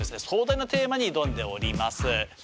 壮大なテーマに挑んでおります。